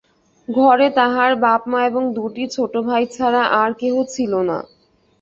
ঘরে তাহার বাপ মা এবং দুটি ছোটো ভাই ছাড়া আর কেহ ছিল না।